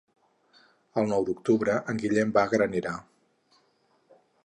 El nou d'octubre en Guillem va a Granera.